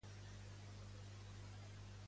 Quan va abraçar la religió cristiana?